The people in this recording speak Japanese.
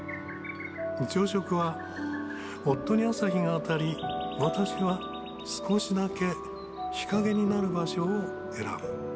朝食は夫に朝日が当たり、私は少しだけ日陰になる場所を選ぶ。